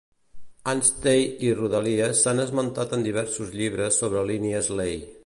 Anstey i rodalies s'han esmentat en diversos llibres sobre línies Ley.